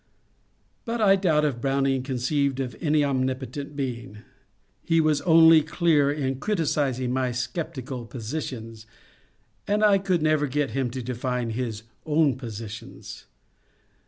But I doubt if Browning conceived of any omnipotent being. He was only clear in criticising my sceptical positions, and I could never get him to define his own positions.